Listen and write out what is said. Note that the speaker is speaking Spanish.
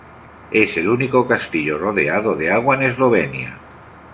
Es el único castillo rodeado de agua en Eslovenia.